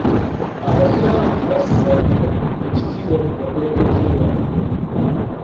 Abasiraamu bassa nnyo ekitiibwa mu bakulembeze baabwe.